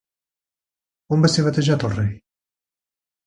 On va ser batejat el rei?